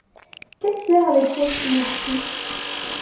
Quelle pierre avait-on sous les pieds ?